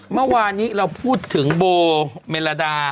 เมื่อวานนี้เราพูดถึงโบเมลดา